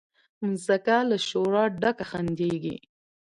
مځکه له شوره ډکه خندیږي